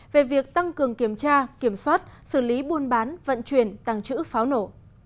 về việc tăng cường kiểm tra kiểm soát xử lý buôn bán vận chuyển tăng trữ pháo nổ